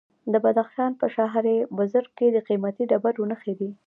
د بدخشان په شهر بزرګ کې د قیمتي ډبرو نښې دي.